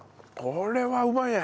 これはうまいね。